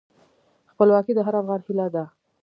خپلواکي د هر افغان هیله ده.